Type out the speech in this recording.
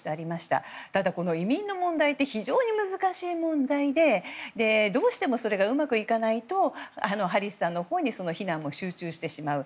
ただ、移民の問題って非常に難しい問題でどうしてもそれがうまくいかないとハリスさんのほうに非難も集中してしまう。